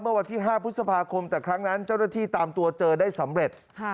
วันที่๕พฤษภาคมแต่ครั้งนั้นเจ้าหน้าที่ตามตัวเจอได้สำเร็จ